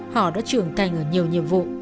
họ đã trưởng thành ở nhiều nhiệm vụ